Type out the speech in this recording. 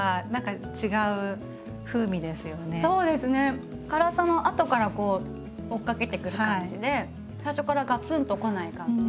そうですね辛さも後からこう追っかけてくる感じで最初からガツンとこない感じ。